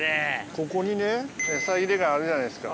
ここにねエサ入れがあるじゃないですか。